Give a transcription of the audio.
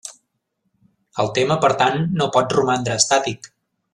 El tema, per tant, no pot romandre estàtic.